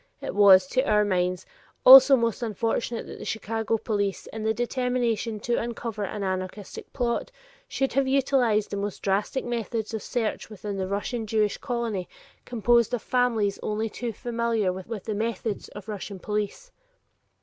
It was, to our minds, also most unfortunate that the Chicago police in the determination to uncover an anarchistic plot should have utilized the most drastic methods of search within the Russian Jewish colony composed of families only too familiar with the methods of Russian police.